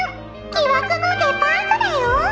「疑惑のデパートだよ」